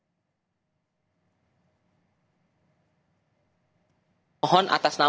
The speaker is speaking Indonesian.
ia adalah caleg dari partai amanat nasional untuk dprd maluku tengah